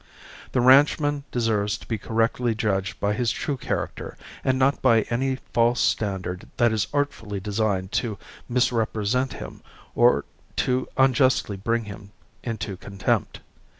The ranchman deserves to be correctly judged by his true character and not by any false standard that is artfully designed to misrepresent him or to unjustly bring him into contempt.